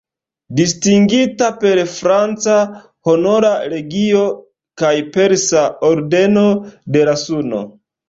Distingita per franca Honora Legio kaj persa Ordeno de la Suno.